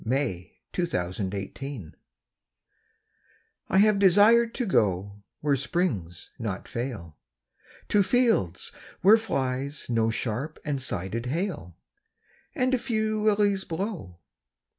A! HOPWOOD I HAVE DESIRED TO GO I HAVE desired to go Where springs not fail, To fields where flies no sharp and sided hail, And a few lilies blow.